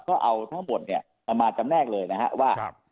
ก็เอาทั้งหมดเนี่ยเอามาจำแนกเลยนะครับว่า